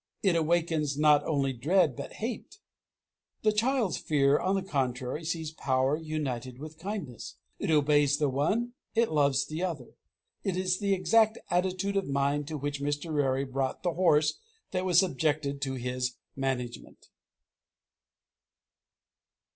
It awakens not only dread but hate. The child's fear, on the contrary, sees power united with kindness. It obeys the one, it loves the other. It is the exact attitude of mind to which Mr. Rarey brought the horse that was subjected to his management.